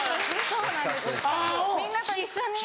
そうなんです。